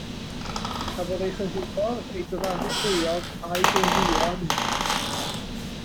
Cafodd ei chyhuddo, ei dyfarnu'n euog a'i dirwyo am hyn.